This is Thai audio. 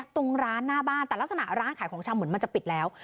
ตรงร้านหน้าบ้านแต่ลักษณะร้านขายของชำเหมือนมันจะปิดแล้ว